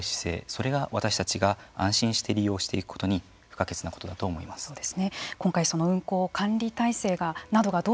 それが私たちが安心して利用していくのに不可欠なことだと思います。